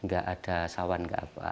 gak ada sawan ke apa